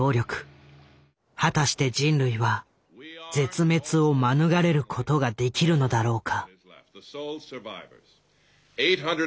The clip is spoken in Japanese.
果たして人類は絶滅を免れることができるのだろうか。